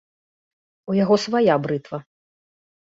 У яго свая брытва.